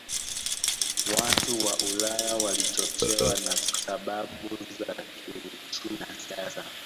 Watu wa Ulaya walichochewa na sababu za kiuchumi na siasa